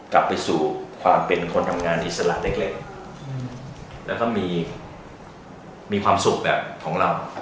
กลับไปสู่ความเป็นคนทำงานอิสระเล็กแล้วก็มีความสุขแบบของเรา